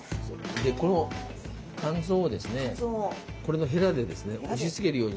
でこの肝臓をですねこれのへらで押しつけるようにして。